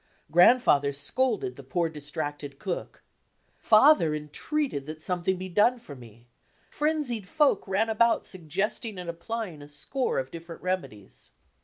Grandfather scolded the poor, distracted cook. Father en treated that somethitig be done for me, frenzied folk ran about suggesting and applying a score of different reme dies.